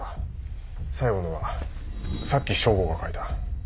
最後のはさっき匠吾が描いた。